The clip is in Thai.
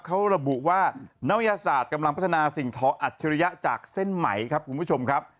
เขาระบุว่านวิทยาศาสตร์กำลังพัฒนาสิ่งท้ออัจฉริยะจากเส้นไหมครับคุณผู้ชมครับ